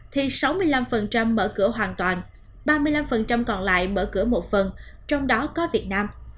thì sáu mươi năm mở cửa hoàn toàn ba mươi năm còn lại mở cửa một phần trong đó có việt nam